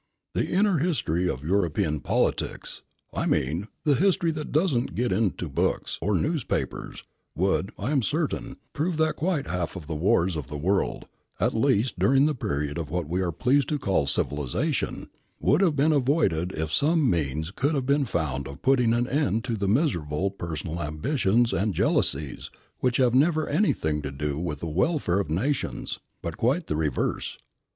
The inner history of European politics I mean, the history that doesn't get into books or newspapers would, I am certain, prove that quite half the wars of the world, at least during the period of what we are pleased to call civilisation, would have been avoided if some means could have been found of putting an end to the miserable personal ambitions and jealousies which have never anything to do with the welfare of nations, but quite the reverse.